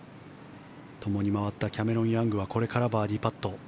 ともに回ったキャメロン・ヤングはこれからバーディーパット。